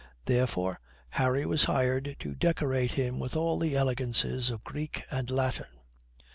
Therefore Harry was hired to decorate him with all the elegances of Greek and Latin.